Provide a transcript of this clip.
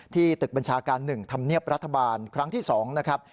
ที่ตึกบัญชาการหนึ่งทำเนียบรัฐบาลครั้งที่สองนะครับ